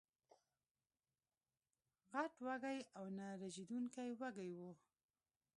غټ وږي او نه رژېدونکي وږي وو